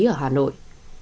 ở hà nội